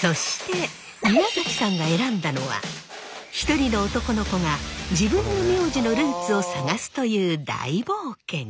そして宮崎さんが選んだのは一人の男の子が自分の名字のルーツを探すという大冒険。